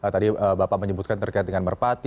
tadi bapak menyebutkan terkait dengan merpati